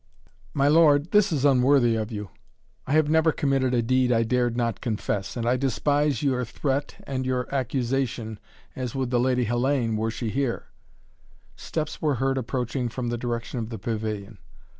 "My lord, this is unworthy of you! I have never committed a deed I dared not confess and I despise your threat and your accusation as would the Lady Hellayne, were she here." Steps were heard approaching from the direction of the pavilion.